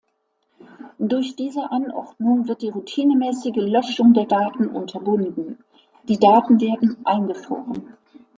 Durch diese Anordnung wird die routinemäßige Löschung der Daten unterbunden; die Daten werden „eingefroren“.